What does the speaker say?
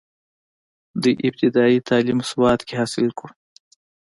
دوي ابتدائي تعليم سوات کښې حاصل کړو،